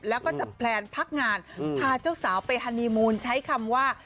แล้วก็จะแพลนพักงานพาเจ้าสาวไปฮานีมูลใช้คำว่า